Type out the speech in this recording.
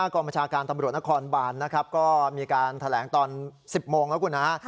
กรมชาการตำรวจนครบันมีการแถลงตอน๑๐โมงแล้วคุณฮะ